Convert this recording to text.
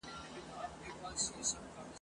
انګرېزان په کارېز کي پټيږي.